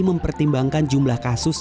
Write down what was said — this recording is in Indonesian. mempertimbangkan jumlah kasus